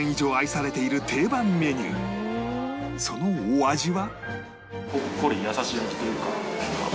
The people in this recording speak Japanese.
そのお味は